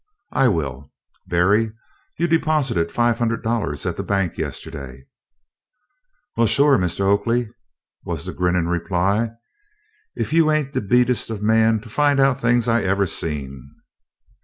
"I will. Berry, you deposited five hundred dollars at the bank yesterday?" "Well, suh, Mistah Oakley," was the grinning reply, "ef you ain't de beatenes' man to fin' out things I evah seen."